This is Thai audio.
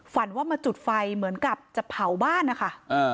ฝันว่ามาจุดไฟเหมือนกับจะเผาบ้านนะคะ